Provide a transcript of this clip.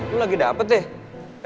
lo lagi dapet ya